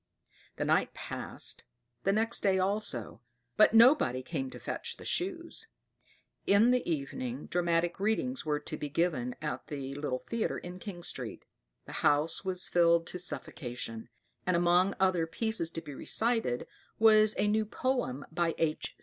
The night passed, the next day also; but nobody came to fetch the Shoes. In the evening "Dramatic Readings" were to be given at the little theatre in King Street. The house was filled to suffocation; and among other pieces to be recited was a new poem by H.